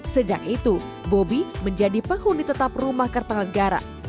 sejak itu bobby menjadi penghuni tetap rumah kartanegara